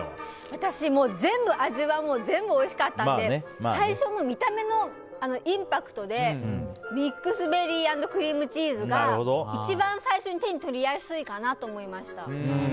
私、味は全部おいしかったので最初の見た目のインパクトでミックスベリー＆クリームチーズが一番最初に手に取りやすいかなと思いました。